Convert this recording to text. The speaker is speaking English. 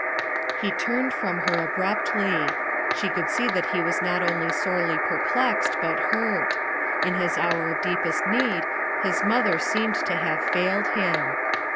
He turned from her abruptly. She could see that he was not only sorely perplexed but hurt; in his hour of deepest need his mother seemed to have failed him.